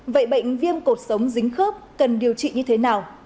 vậy bệnh viêm cột sống dính khớp cần điều trị như thế nào